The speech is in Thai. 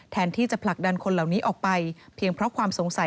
แทนที่จะผลักดันคนเหล่านี้ออกไปเพียงเพราะความสงสัย